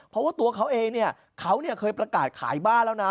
เพราะว่าตัวเขาเองเนี่ยเขาเคยประกาศขายบ้านแล้วนะ